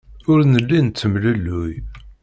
Ur nelli nettemlelluy.